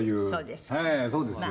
そうですか？